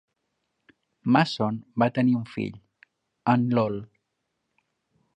Mason va tenir un fill, en Lol.